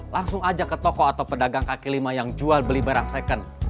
langsung aja ke toko atau pedagang kaki lima yang jual beli barang second